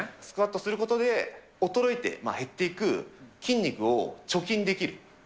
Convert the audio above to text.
スクワットすることで衰えて減っていく筋肉を貯金できる。